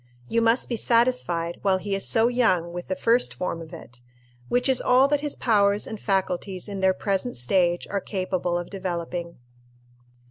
You must be satisfied, while he is so young, with the first form of it, which is all that his powers and faculties in their present stage are capable of developing.